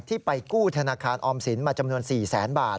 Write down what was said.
ที่ไปกู้ธนาคารออมสินมาจำนวน๔๐๐๐๐๐บาท